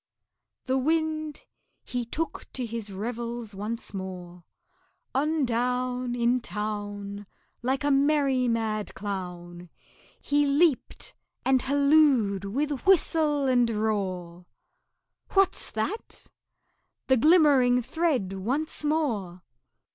The Wind, he took to his revels once more; On down In town, Like a merry mad clown, He leaped and hallooed with whistle and roar, "What's that?" The glimmering thread once more!